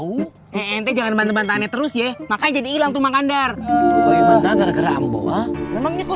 untuk jadi ilang gak usah ngelakuin deh